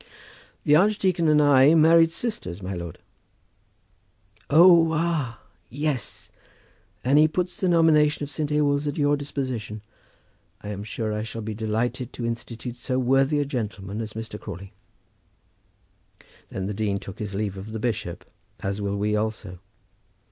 "The archdeacon and I married sisters, my lord." "Oh, ah! yes. And he puts the nomination of St. Ewolds at your disposition. I am sure I shall be delighted to institute so worthy a gentleman as Mr. Crawley." Then the dean took his leave of the bishop, as will we also.